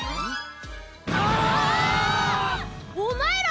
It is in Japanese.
あ！お前ら！